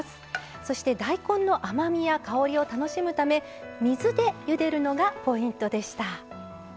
そして大根の甘みや香りを楽しむため水でゆでるのがポイントでした。